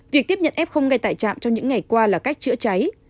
việc tiếp nhận f ngay tại trạm trong những ngày qua là cách chữa cháy